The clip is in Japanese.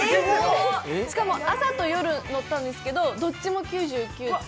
しかも朝と夜乗ったんですけどどっちも９９万９９９９点。